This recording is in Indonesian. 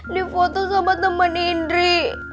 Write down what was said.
dipoto sama temen indri